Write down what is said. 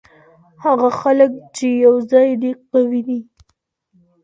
هغه خلګ چي یو ځای دي قوي دي.